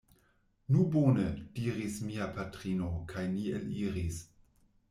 Nu bone! diris mia patrino, kaj ni eliris.